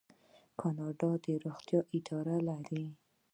کاناډا د روغتیا اداره لري.